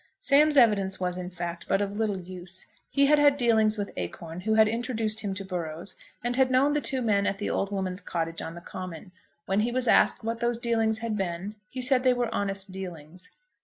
Sam's evidence was, in fact, but of little use. He had had dealings with Acorn, who had introduced him to Burrows, and had known the two men at the old woman's cottage on the Common. When he was asked, what these dealings had been, he said they were honest dealings.